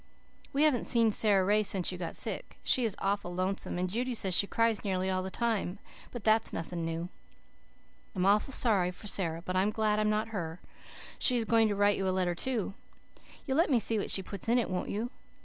"We haven't seen Sara Ray since you got sick. She is awful lonesome, and Judy says she cries nearly all the time but that is nothing new. I'm awful sorry for Sara but I'm glad I'm not her. She is going to write you a letter too. You'll let me see what she puts in it, won't you?